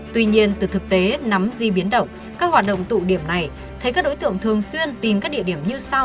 tuy nhiên từ thực tế nắm di biến động các hoạt động tụ điểm này thấy các đối tượng thường xuyên tìm các địa điểm như sau